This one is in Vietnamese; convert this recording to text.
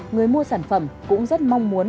người mua sản phẩm cũng rất mong muốn